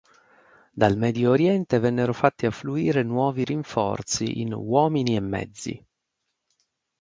Dal Medio Oriente vennero fatti affluire nuovi rinforzi in uomini e mezzi.